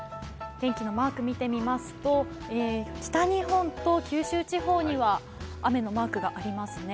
天気のマークを見てみますと、北日本と九州地方には雨のマークがありますね。